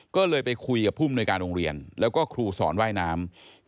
ก็เลยไปคุยกับผู้มนุยการโรงเรียนแล้วก็ครูสอนว่ายน้ำ